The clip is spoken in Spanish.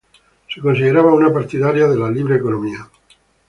Se consideraba una partidaria de la libre economía.